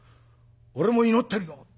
俺も祈ってるよ」。